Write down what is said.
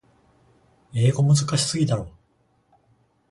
英語むずかしすぎだろ。